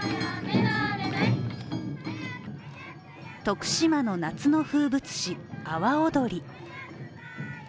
徳島の夏の風物詩・阿波おどり。